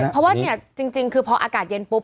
เพราะว่าเนี่ยจริงคือพออากาศเย็นปุ๊